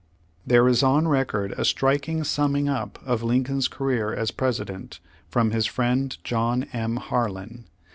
There is on record a striking summing up of Lincoln's career as President, from his friend John M. Harlan.